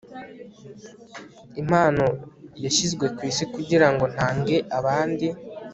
impano nashyizwe ku isi kugira ngo ntange abandi